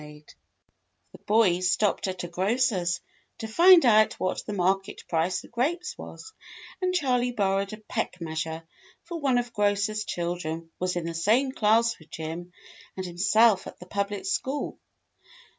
The boys stopped at a grocer's, to find out what the market price of grapes was, and Charley borrowed a peck measure, for one of the grocer's children was in the same class with Jim and himself at the public school.